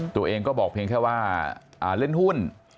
ตัวเองก็บอกเพียงแค่ว่าเล่นหุ้น